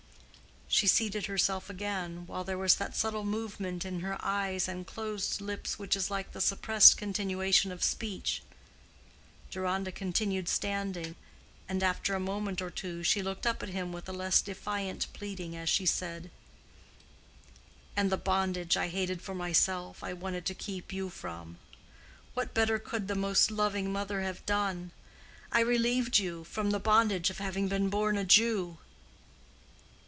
She seated herself again, while there was that subtle movement in her eyes and closed lips which is like the suppressed continuation of speech. Deronda continued standing, and after a moment or two she looked up at him with a less defiant pleading as she said, "And the bondage I hated for myself I wanted to keep you from. What better could the most loving mother have done? I relieved you from the bondage of having been born a Jew."